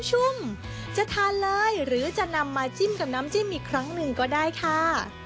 ชุ่มจะทานเลยหรือจะนำมาจิ้มกับน้ำจิ้มอีกครั้งหนึ่งก็ได้ค่ะ